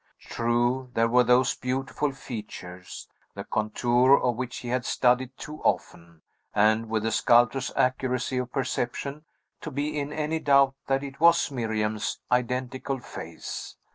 True; there were those beautiful features, the contour of which he had studied too often, and with a sculptor's accuracy of perception, to be in any doubt that it was Miriam's identical face.